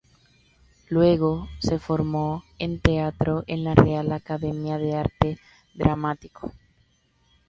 Luego, se formó en teatro en la Real Academia de Arte Dramático.